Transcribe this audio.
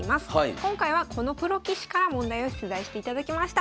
今回はこのプロ棋士から問題を出題していただきました。